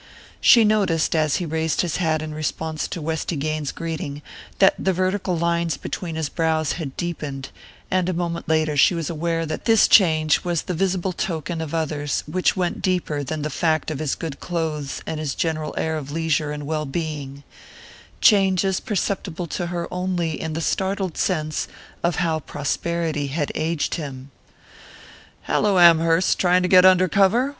She noticed, as he raised his hat in response to Westy Gaines's greeting, that the vertical lines between his brows had deepened; and a moment later she was aware that this change was the visible token of others which went deeper than the fact of his good clothes and his general air of leisure and well being changes perceptible to her only in the startled sense of how prosperity had aged him. "Hallo, Amherst trying to get under cover?"